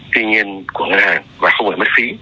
tuy nhiên của ngân hàng và không phải mất phí